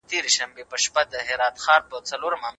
دغه دولت د بل قوم په وسیله له منځه وړل کیږي.